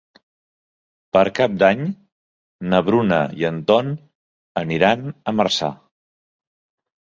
Per Cap d'Any na Bruna i en Ton aniran a Marçà.